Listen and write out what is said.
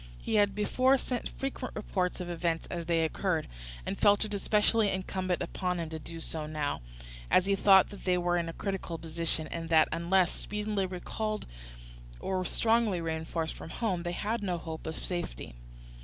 He had before sent frequent reports of events as they occurred, and felt it especially incumbent upon him to do so now, as he thought that they were in a critical position, and that, unless speedily recalled or strongly reinforced from home, they had no hope of safety.